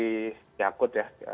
dari yakut ya